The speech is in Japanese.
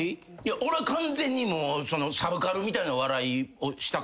俺は完全にサブカルみたいな笑いをしたかったから。